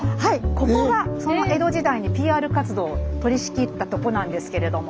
ここがその江戸時代にＰＲ活動を取りしきったとこなんですけれども。